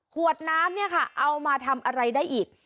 ขวดน้ำเอามาทำอะไรได้อีก